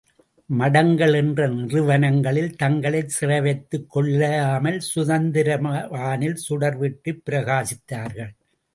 மடங்கள் என்ற நிறுவனங்களில் தங்களைச் சிறைவைத்துக் கொள்ளாமல் சுதந்திர வானில் சுடர்விட்டுப் பிரகாசித்தார்கள்.